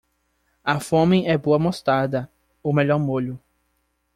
A fome é boa mostarda - o melhor molho